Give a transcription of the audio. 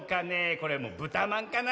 これはもうぶたまんかなあ。